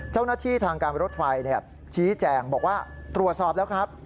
เจ้านักที่ทางการรถไฟชี้แจ่งบอกว่าตรวจสอบแล้วครับ